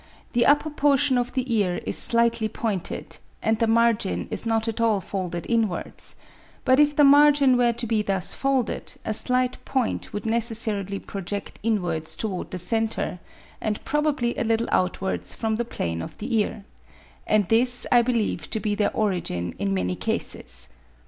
the upper portion of the ear is slightly pointed, and the margin is not at all folded inwards; but if the margin were to be thus folded, a slight point would necessarily project inwards towards the centre, and probably a little outwards from the plane of the ear; and this I believe to be their origin in many cases.